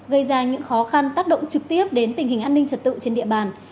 gây ra những khó khăn tác động trực tiếp đến tình hình an ninh trật tự trên địa bàn